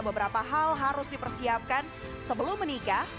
beberapa hal harus dipersiapkan sebelum menikah